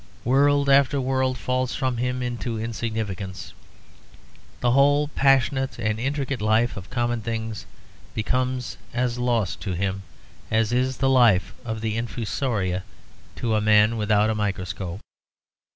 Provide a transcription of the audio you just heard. World after world falls from him into insignificance; the whole passionate and intricate life of common things becomes as lost to him as is the life of the infusoria to a man without a microscope.